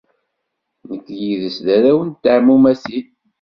Nekk yid-s d arraw n teɛmumatin.